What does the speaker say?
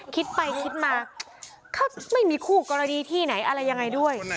คิดไปคิดมาเขาไม่มีคู่กรณีที่ไหนอะไรยังไงด้วย